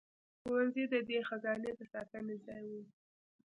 ښوونځي د دې خزانې د ساتنې ځای وو.